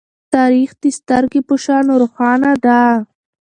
تاریخ د سترگې په شان روښانه ده.